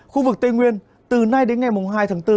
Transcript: khu vực tây nguyên từ nay đến ngày hai tháng bốn